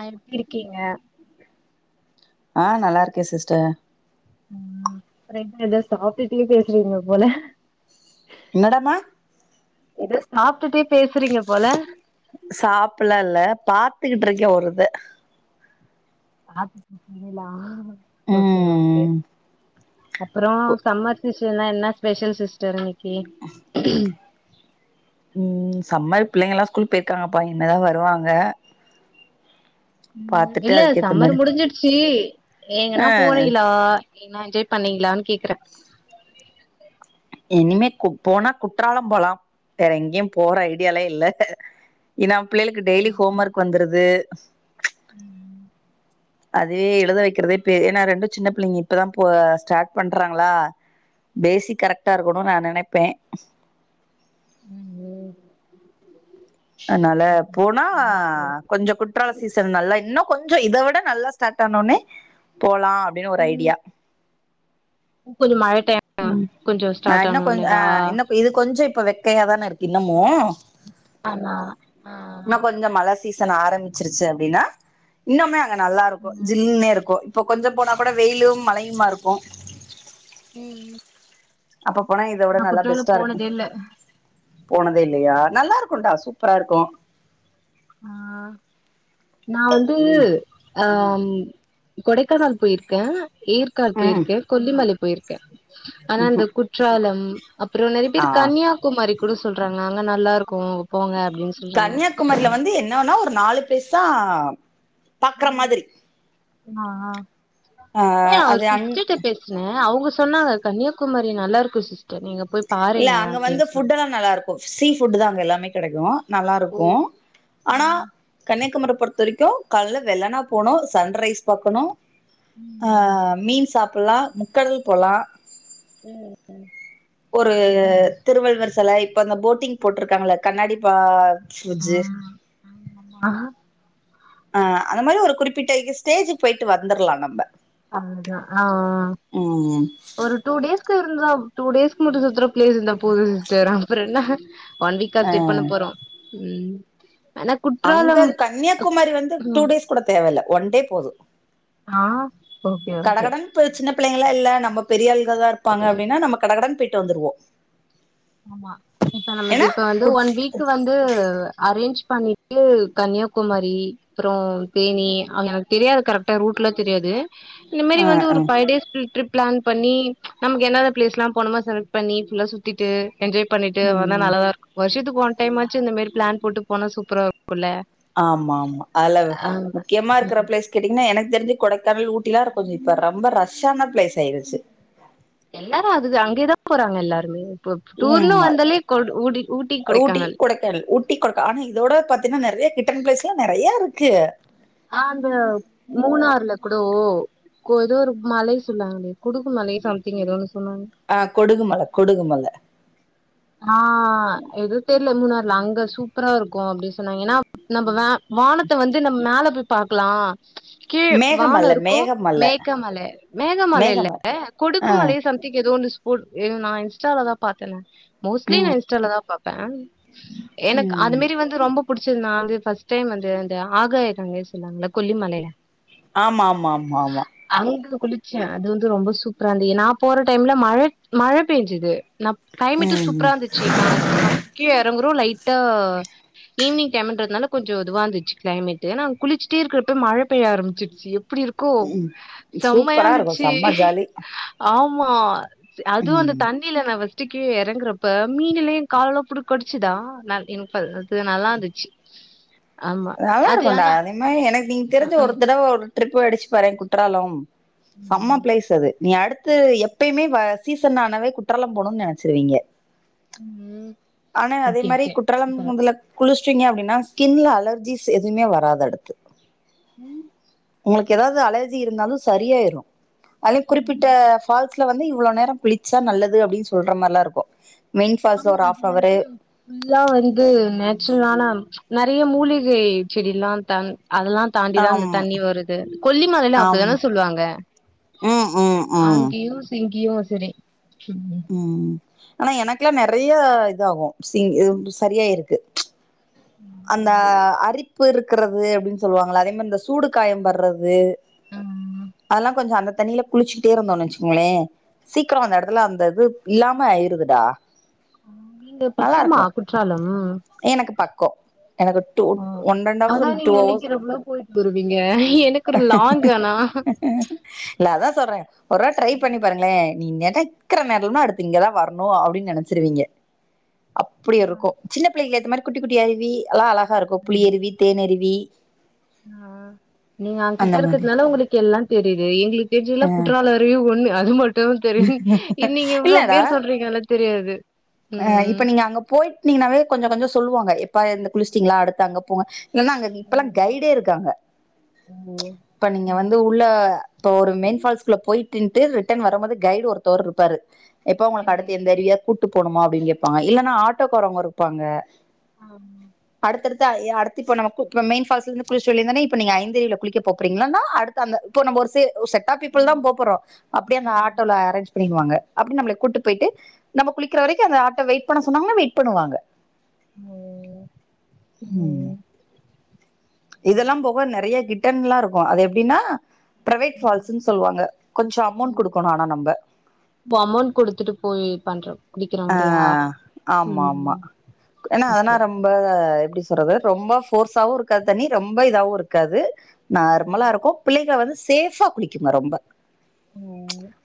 அ இப்பிடி இருக்கீங்க ஆ நல்லா இருக்கே சிஸ்டர் அ அப்புறோ என்ன ஏதாவது சாப்பிட்டுட்டே பேசுறீங்க போல என்னடாமா ஏதோ சாப்பிட்டுட்டே பேசுறீங்க போல சாப்பலல்லால்ல பார்த்துக்கிட்டு இருக்கே ஒரு இத ஆத் நிலா ஓகே ஓகே ம் அப்புறோ சம்மர் சீஸ் என்ன என்ன ஸ்பெஷல் சிஸ்டர்க்கு ஓகே ம் சம்மர் பிள்ளைங்க எல்லா ஸ்கூல் போயிருக்காங்கப்பா இனிமதா வருவாங்க ம் பாத்துட்டு இல்ல அதுக்கேத்த சம்மர் மாரி முடிஞ்சிடுச்சு ஏங்கன்னா ஆ போறீங்களா என்ன என்ஜாய் பண்ணீங்களான்னு கேக்குறே இனிமே கு போனா குற்றாலம் போலா வேற எங்கேயு போற ஐடியாலே இல்ல ஏன்னா பிள்ளைளுக் டெயலி ஹோம் ஒர்க் வந்துருது அஸ் ம் அதுவே எழுத வைக்கிறதே பே ஏன்னா ரெண்டு சின்ன பிள்ளைங்க இப்பதா போ ஸ்டார்ட் பண்றாங்களா பேசிக் கரெக் ட்டா இருக்கணு நா நினைப்பே ம் அதனால போனா ம் ஓகே ஓகே கொஞ்சோ குற்றால சீசன் நல்லா இன்னு கொஞ்சோ இத விட நல்லா ஸ்டார்ட் ஆனோனே போல் லா அப்டின்னு ஒரு ஐடியா கொஞ்ச மழ டைம் ம் கொஞ்ச ஆ ஸ்டார்ட் இன்னு கொஞ்ச ஆ ஆனவுன்னாவா இன்னு இது கொஞ்சோ இப்ப வெக்கையாதானே இருக்கு இன்னமோ ஆமா ஆ சீசன் ஆரம்பிச்சிருச்சு அப்டின்னா இன்னுமே நல்லா இருக்கு ம் ஜில்ன்னே இருக்கு இப்போ கொஞ்ச போனா கூட வெயிலு மழையுமா இருக்கு ம் அப்ப போனா இத விட நா நல்லா குற்றாலம் பெஸ்ட்டா இருக்கு போனதே இல்ல போனதே இல்லையா நல்லா இருக்குடா சூப்பரா இருக்கு ஆ நா வந்து ம் ஆ ம் கொடைக்கானல் போயிருக்கே ஏற்காட் போய் ம் இருக்கே கொல்லிமல போயிருக்கே ஆனா அந்த ம்ஹும் குற்றாலம் அப்புற நெறைய ஆ பேரூ கன்னியாகுமாரி கூட சொல்றாங்க அங்க நல்லா இருக்கு போங்க அப்டின்னு சொல்றாங்க கன்னியாகுமரியல வந்து என் ன்ன ஒன்னுனா ஒரு நாலு பேச பாக்கற மாதிரி ம் ஆ ஆ ஆ ஏ் அவர் அது அங் சிஸ்டர் கிட்ட பேசுனே அவுங்க சொன்னாங்க கன்னியா குமரி நல்லா இருக்கு சிஸ்டர் நீங்க போய் இல்ல பாருங்க அங்க வந்து அப்டின்னு சொன்னாங்க ஃபுட்டல்ல நல்லா இருக்கு சீ ஃபுட்டு தா அங்க எல்லாமே கெடைக்கு நல்லா ஓ இருக்கு ஆனா கன்னியாகுமரி பொறுத்த வரைக்கு கால்ல வெள்ளன போணு சன்ரைஸ் பாக்கணு ஆ ம் மீன் சாப் போலா முக்கல் போலா ம் ம் ஒரு திருவள்ளுவர் சில இப்ப இந்த போட்டிங் போட்டிருக்காங்களா கண்ணாடி பா புஜு ஆ ஆ அந்த மாரி ஒரு குறிப்பிட்ட இ ஸ்டேஜுக்கு போயிட்டு வந்துறலா நம்ம அதுதா ஆ ம் ஒரு டூ டேஸ்கு இருந்தோ டூ டேஸ்க்கு மட்டு சுத்துர ப்ளேஸ் இருந்தா போதுசிடஸ்டர் அப்பறோ என்ன ம் ஒன் வீக்கா செக் பண்ண போறோ ம் ஆனா அங்க குற்றாலம் கன்னியாகுமரி வந்து டூ ம் டேஸ் கூட தேவ இல்ல ஒன் டே போது ஆ ஓகே ஓகே கடகடன் ப சின்ன பிள்ளைங்களா இல்ல நம்ம பெரியாள் இங்க தா இருப்பாங்க அப்டின்னா நம்ம கடகடன் போய்ட்டு போயிட்டு வந்துருவோ ஆமா இப்ப நமக்கு ஏன்னா இப்ப வந்து குட் ஒன் வீக் வந்து அரேஞ்ச் பண்ணிட்டு கன்னியாகுமரி அப்புறோ தேனி அங்க தெரியாது கரெக்டா ரூட்லா தெரியாது இந்தமாரி ஆ வந்து ஆ ஒரு ஃபைவ் டேஸ் [unintelligible] டிரிப் பிளான் பண்ணி நமக்கு என்ன என்ன ப்ளேஸ்லா போனுமோ செலக்ட் பண்ணி ஃபுல்லா சுத்திட்டு எஜ்ஜாய் பண்ணிட்டு வந்தா ம் நல்லாதா இருக்கு வருஷத்துக்கு ஒன் டைமாச்சு இந்த மாரி பிளான் போட்டு போனா சூப்பரா இருக்கு ஆமா ஆமா அதுல ஆ முக்கியமா இருக்கிற பிளேஸ் கேட்டீங்னா எனக்கு தெரிஞ்சு கொடைக்கானல் ஊட்டிலா இப்ப கொஞ்சோ ரொம்ப ரஷ்ஷான பிளேஸ் ஆயிடுச்சு எல்லாரு அதுது அங்கேதா போறாங்க எல்லாருமே இப்ப டூர்ன்னு ம் ஆ வந்தாலே கொ ஊடி ஊட்டி கொடைக்கானல் கொடைக்கல் ஊட்டி கொடைக்க ஆனா இதோட பத் தெர்மா நிறைய கிட்டன் பிளேஸ்லா நிறையா இருக்கு ஆ அந்த மூணாறுல கூட ஓ கோ ஏதோ ஒரு மலை சொன்னாங்களே குடுக்கு மலை சம்திங் ஏதோன்னு ஆ கொடுகுமல கொடுகுமல ஆ எதுவு தெர்ல மூணார்ல அங்க சூப்பரா இருக்கு அப்டி சொன்னாங்க ஏனா நம்ம வா வானத்த வந்து நம்ம மேல போய் பாக்லா கீழ வான மேகமல இருக்கு மேகமல மேகமல மேகமல இல்ல கொடுக்கு ஆ மலைய சம்திங் எதோ ஒன்னு போடு இது நா இன்ஸ்டாலதா பாத்தேனா மோஸ்ட்லி நா ம் இன்ஸ்டாலதா பாப் பே எனக் அது ம் மாரி வந்து ரொம்ப புடுச்சதுனா வந்து ஃபஸ்ட் டைம் வந்து அந்த ஆகாயக்கங்கை சொல்வாங்கல்ல கொல்லிமலைய ஆமா ஆமா ஆமா ஆமா அங்க குளிச்சே அது வந்து ரொம்ப சூப்பரா இருந்து நா போற டைம்ல மழை மழ பேஞ்சது நா ட்டு ம் சூப்பரா இருந்துச்சு நாங்க ந கீழ எறங்குறோ லைட்டா ஈவ்னிங் டைமுன்றதுனால கொஞ்சொ இதுவா இந்துச்சு கிளைமேட்டு நாங்க குளிச்சுட்டே இருக்கிறப்ப மழ பெய்ய ஆரம்பிச்சிருச்சு எ ப்பிடி இருக்கு ம் சூப்பரா இருக்கு செம்மையாந்துச்சு செம்ம ஜாலி ஆ மா அதுவு அந்த ம் தண்ணில நா ஃபஸ் ட்டு கீழ எற ங்குறப்ப மீன் எல்ல‌ ஏ காலல்லா போட்டு கடிச்சுதா நான் என் அது நல்லாந்துச்சு நல்லாருக்குன்டா அதே மாரி எனக்கு நீ அ தெரிஞ்சு ஒருதடவ ஒரு ட்ரிப்பு அடிச்சு பாரே குற்றாலம் செம்ம ப்ளேஸ் அது நீ அடுத்து எப்பயுமே வ சீசன் ஆனவே குற்றாலம் போனுன் நெனச்சிருவீங்க ம் ஆனா அதே ஓகே மாரி ஓகே குற்றாலம் முதல்ல குளுச் சிங்க அப்டின்னா ஸ்கின்ல அலர் ஜீஸ் எதுமே வராது அடுத்து ம் உங்களுக்கு எதாவுது அலர்ஜி இருந்தாலு சரியாயிரு அலயு குறிப்பிட்ட ஃபால்ஸ் ல வந்து இவ்ளோ நேர குளிச்சா நல்லது அப்டின் சொல்ற மாரிலா இருக்கு மெயின் ஃபால்ஸ்ல ஆமா ஒரு அது ஹாஃப் அவரு ஃபுல்லா வந்து நேச்சுரலான நெறைய மூலிகை செடில்லா தண் அதெல்லா தாண்டி தா அந்த ஆம் தண்ணி வருது கொல்லிமலைல ஆம் அப்டிதானே சொல்லுவாங்க ம் ம் ம் அங்கேயு சேந் ஈ வாசரே சொல்லு ம் ஆனா எனக்கெல்லா நெறைய இதாகு சிங் சரியாயிருக்கு அந்த அரிப்பு இருக்கறது அப்டின் சொல்வாங்கள அதே மாரி இந்த சு சூடு காய படறது ம் அதெல்லா கொஞ்ச அந்த தண்ணியல குளிச்சுட்டே இருந்தோன் நச்சிக்கங்களே சீக்கிர அந்த எடத்துல அந்த இது இல்லாம ஆயிருதுடா நீங்க நல்லா பக்கமா இருக்கு குற்றாலம் எனக்கு பக்கோ எனக்கு டூ ஆ ஒன் அன்ட் ஆப் அதா டு நீங்க ஹவர்ஸ் நெனைக்கிறப்பலா போயிட்டு வருவீங்க எனக்கு ஒரு லாங் ஆனா இல்ல அதா சொல்றே ஒரு வா ட்ரை பண்ணி பாருங்களே நீ நெனக்கற நேரன்னு அடுத்து இங்கதா வரணு அப்டின்னு நெனைச்சிருவீங்க அப்டி இருக்கோ சின்ன பிள்ளைங்க இந்த மாரி குட்டி குட்டி அருவி ல்ல அழ கா இருக்கோ புளி அருவி தேன் அருவி [unintelligible] ஆ நீங்க அவகிட்ட மாரி இருக்கதுனால உங்களுக்கு எல்லா தெரியுது எங்களுக் அ நேச்சரலா குற்றால அருவி ஒண்ணு அது மட் டு தெரியு இன்னிக்கு இவ்ள பேர் சொல்றீங்கல்ல தெரியாது ஆ ம் இப்ப நீங்க அங்க போயட்டுனீங்கன்னாவே கொஞ்ச கொஞ்ச சு சொல்லுவாங்க எப்பா எந்த குளிஸ்டிங்களா அடுத்து அங்க போங்க இல்லனா அங்க ஓ இப்பல்லா கைடே இருக்காங்க இப்ப நீங்க ம் வந்து உள்ள இப்ப ஒரு மெயின்ஃபால்ஸ்குள்ள போயிட் [unintelligible] ரிட்டர்ன் வரும்பது கைடு ஒருத்தவர் இருப்பாரு எப்போ உங்களுக்கு அடுத்து ம் எந்த அருவி இருக்கு போணுமா அப்டின் கேப்பாங்க இல்லன்னா ஆட்டோக்காரவங்க இருப்பாங்க ஆம் அடுத்தடுத்து ஆ எ அடுத்து இப்ப நம்ம கு மெயின் ஃபால்ஸ் குளிஷ்ட்டு வந்து தானே இப்ப நீங்க ஐந்தருவில குளிக்க போப்றீங்களான அடுத்து அந்த இப்ப நம்ப ஒரு சே ஒரு செட்ஆப் பீப்பிள் தா போப்போறோ அப்டியே அந்த ம் ஆட்டோல அரேஞ்ச் அப்டின்வாங்க அப்டினு நம்மளை கூட்டு போயிட்டு நம்ம குளிக் இருக்கற வரைக்கு அந்த ஆட்டவ வெயிட் பண்ண சொன்னாங்கன்னா வெயிட் பண்ணுவாங்க உம் ம் இதெல்லாம் போக நிறைய கிட்டன் எல்லாம் இருக்கும் அது எப்படின்னா பிரைவேட் ம் பால்ஸ்ன்னு சொல்லுவாங்க கொஞ்சம் அமௌண்ட் ம் குடுக்கணும் ஆனா நம்ம பண்றோம் ஆஹ் ஆமா ஆமா ஏன்னா அதனா ஓகே ரொம்ப எப்படி சொல்றது ரொம்ப ஃபோர்ஸாவும் இருக்காது தண்ணி ரொம்ப இதாவும் இருக்காது நார்மலா இருக்கும் பிள்ளைக வந்து சேஃபா குளிக்குங்க ரொம்ப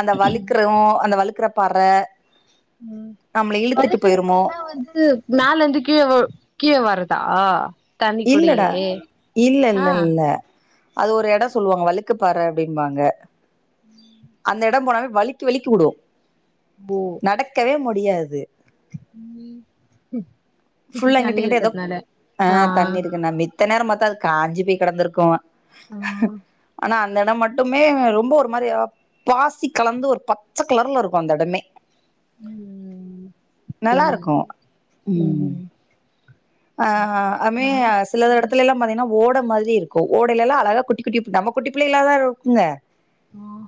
அந்த வலிக்கிறவும் அந்த வல இந்தப்பற வளர்க்கற பொல்லாம் வந்து மேல வந்து கீழே கீழே வறது ஆஹ இல்லடா இல்ல இல்ல இல்ல அது ஒரு இடம் சொல்லுவாங்க வலுக்கு பாறை அப்படின்னு சொல்லு வாங்க அந்த இடம் போனாலும் வழுக்கி வழுக்கி விடும் நடக்கவே முடி முடியாது உம் புல்லா அங்கிட்டு இங்கிட்டு ஏதோ ஆ ஆஹ் தண்ணி இருக்கு நம்பி மித்த நேரம் பாத்தா அ காஞ்சி போய் கெடந்திருக்கும் ஆ ஆன அந்த இடம் மட்டுமே ரொம்ப ஒரு மாதிரி பாசி கலந்து ஒரு பச்சை கலர்ல இருக்கும் அந்த இடமே ம் நல்லா புரியுது. இருக்கும் உம் ம் ஆஹ் அமே நான் சில ம் இடத்துல எல்லாம் பாத்தீங்கன்னா ஓட மாதிரி இருக்கும் ஓடைலல அழகா குட்டி குட்டி நம்ம குட்டி பிள்ளைையல்லா இருக்கும்ங்க உஹம்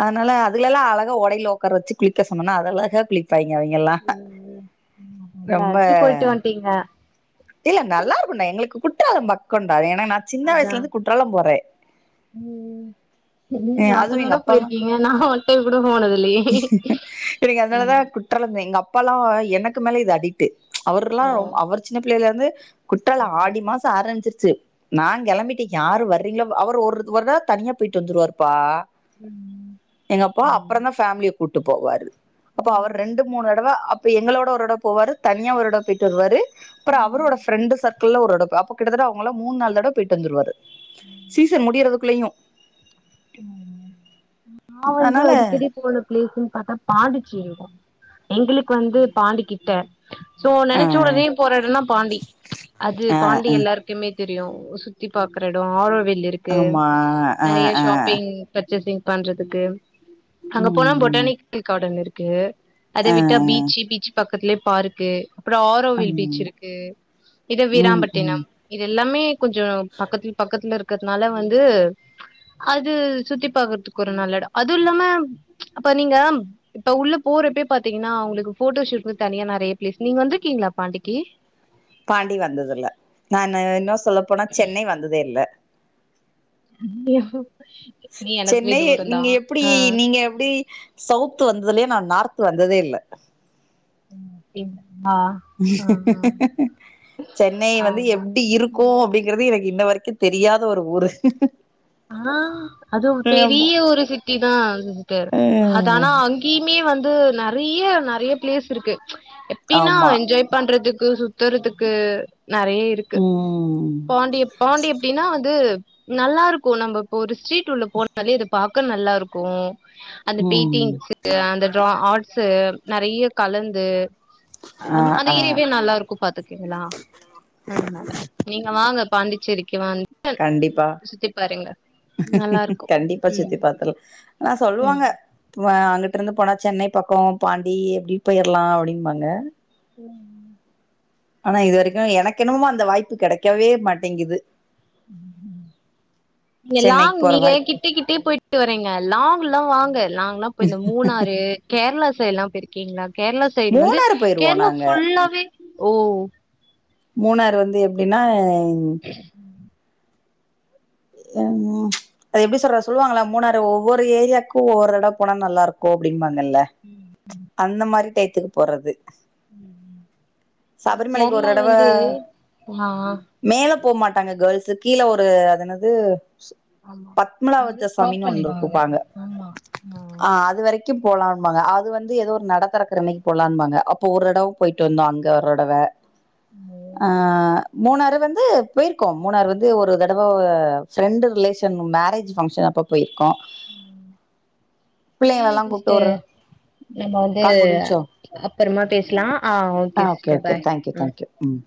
அதனால அதுகல எல்லாம் அழகா ஓடைல உட்கார வச்சு குளிக்க சொன்னனா அது அழகா குளி பைங்க அவங்கல்லாம் ம் ரொம்ப எல்லாத்துலயு போயிட்டு வந்ட்டீங்க ஹயே நல்லா இருக்கும்னேன் எங்களுக்கு குற்றாலம் பக்கம்தான் நான் சின்ன அதா வயசுல இருந்து குற்றாலம் போறேன் ம் நீங்க அதுவும் ஒருத்தர் எங்க கூட அப்பலாம் போயிருக்கீங்க நா ஒன் டைம் கூட போனது இல்லையே எனக்கு ம் அதனாலதான் குற்றாலம் எங்க அப்பாலாம் எனக்கு மேல இது அடிட்டு ஓ அவர்ல்லாம் அவர் இது வந்து குட்டால ஆடி மாசம் ஆரம்பிச்சிருச்ச சு நான் கிளம்பிட்டு யாரு வர்றீங்களோ அவர் ஒரு ஒருதா தனியா போயிட்டு வந்துருவருப்பா ம் எங்க அப்பா ஓ அப்புறம் தான் ஃபேமிலி உட்டு போவாரு அப்ப அவர் ரெண்டு மூணு தடவை அப்ப எங்களோட ஒருவொட போவாரு தனியா ஒரு தடவ போயிட்டு வருவாரு அப்புற அவரோட ஃப்ரெண்டு சர் குள் ஒருட அப்ப கிட்டத்தட்ட அவங்கலா மூணு நாளு தடவ போயிட்டு வந்துருவரு நான் வந்து அதனால அடிக்கடி போன பிளேஸ்ன்னு பார்த்தா பாண்டிச்சேரி தான் எங்களுக்கு வந்து பாண்டிக்கிட்ட சோ ஆ நினைச்ச உடனே போராட்டம்னா பாண்டி அது ஆ பாண்டி எல்லாரு தெரியும் சுத்தி பார [unintelligible] இருக்கு ஆமா ஆ நெறைய ஆ ஷாப்பிங் பண்றதுக்கு அங்க போனா ம் பொட்டானிக்கல் கார்டன் இருக்கு கு அத ஆ விட்டா ஆ பீச் பீச்ச பக்கம் பக்கத்துலயே பாருக்கு அப்புறம் ஆரோவில் ம் பீச் இருக்கு இத ம் ம் வீராாம்பட்டினம் இத எல்லாமே கொஞ்சம் பக்கத்துல இருக்கிறதுனால வந்து அது சுத்தி பாக்குறதுக்கு ஒரு நல்ல இடம் அதுவும் இல்லாம அப்ப நீங்க இப்ப உள்ள போறப்ப பாத்தீங்கன்னா உங்களுக்கு போட்டோ ஷூடன்னு தனியா நிறைய பிளேஸ் நீங்க வந்திருக்கீங்களா பாண்டிகி பாண்டி வந்ததுல நான் இன்னும் சொல்ல போனா சென்னை வந்ததே இல்ல [unintelligible] நீ எனக்குமே சென்னை தூரந்தா நீங்க எப்படி ஆ நீங்க எப்படி சவிட்டு வந்ததுலே நான் நார்து வந்ததே இல்லை உம் அப்படிங்கல சென்னை வந்து ஆமா எப்டி இருக்கும் ம் அப்டிங்கறது எனக்கு இன்ன வரைக் க்கு தெரியாத ஒரு ஊரு ஆ அதுவும் ஆமா பெரிய ஒரு ஹிட் டிதா ஆகுது அ [unintelligible] அதானா அங்கிமே வந் து நெறைய நெறைய பிளேஸ்ஸிருக்கு எப்பினா ஆமா என்ஜாய் பண்றதுக்கு சு தருதுக்கு நறைய இருக்கு ம் பாண்டிப் பாண்டி அப்டின்னா வந்து நல்லாருக்கும் நம்ம இப்ப ஒரு சிட் வீட்டுள்ள போனாலே இது பாக் க்கு நல்லாருக்கும் அந்த ம் பெயிண்டிங்க்கு அந்த ட்ரா ஆர்ட் சேர் நறைய கலந்து ஆ அம் அந்த ஆ ஏர்யாவே நல்லாருக்கும் பாத்துக்கீங்களா அதனால வாங்க பாண்டிச்சேரிக்கு வந் கண்டிப்பா நல்லா இருக்கு கண்டிப்பா சுத்தி ம் பாத்தில் ஆனா சொல்லுவாங்க ம் வ அங்குட்ட இருந்து போனா சென்னை பக்கோ பாண்டி எப்டி போயிர்லா அப்டின்பாங்க ஓம் ஆனா இது வரைக்கும் எனக் கென்னமுமா அந்த வாய்ப்பு கெடைக்கவே மாட்டேங்குது சென்னைக்கு இங்கெல்லாங் போற நீங்க எ வாய்ப் கிட்ட கிட்டே போயிட் வரீங்க லாங் [unintelligible] வாங்க லாங்னாப் போய் இந்த மூணாறு கேர்ளா சைடொல்லா போய்ருகிங்களா கேரளா சைடு வந்து மூணாறு போயிருவோ கேரளா நாங்க ஃபுல்லாவே ஓ மூணார் வந்து எப்டின்னா ன் அது எப்டி சொல்ற சொல்லுவாங்களா மூணாறு ஒவ்வொரு ஏரியாக்கும் [unintelligible] போனா நல்லாருக்கும் அப்டிம்பாங்க அந்த மாதிரி எத்துக்கு போறது உம் சபரிமலைக்கு ஒரு தடவை ஆ மேல போக மாட்டாங்க கேள்ஸ்சு கீழே ஒரு அது எனது ஆமா அதோட பத்மலாவத்த ஸ்டாப் சமின் ஒண்ணு இரு பண்ணிடுவாங்க குப்பாங்க ஆமா ஆ ஆஹ் அதுவரைக்கும் போலான்ாங்க அது வந்து ஏதோ ஒரு நடத்தர கிறமைக்கு போலாங்க அப்ப ஒருடம் போயிட்டு வந்த ஜரோடவே ம் ஆஹ் மூணாறு வந்து போயிருக்கோம் மூணாறு வந்து ஒரு தடவா ஃப்ரெண்டு் ரிலேஷன் மேரேஜ் ஃபங்க்ஷன் அப்ப போயிருக்கோம் பிள்ளைங்கள எல்லா கூப்ட்டு ஒரு சிஸ்டர் நம்ம வந்து கால் முடிஞ்ச்சோ அப்புறமா பேசலாம் ஆஹ் ஆ okay okay thank you thank you ம்